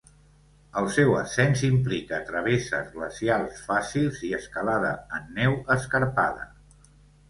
El seu ascens implica travesses glacials fàcils i escalada en neu escarpada.